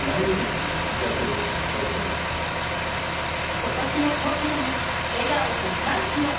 今年も故郷に、笑顔と歓喜を！